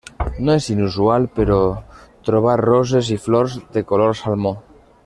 No és inusual, però, trobar roses i flors de color salmó.